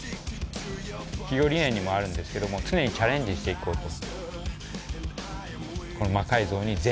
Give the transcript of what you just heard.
企業理念にもあるんですけども常にチャレンジしていこうと。